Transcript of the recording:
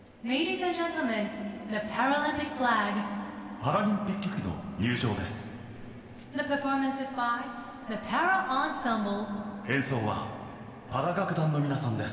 パラリンピック旗の入場です。